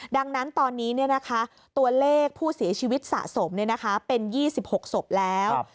ดังนั้นตอนนี้ตัวเลขผู้เสียชีวิตสะสมเป็น๒๖ศพแล้ว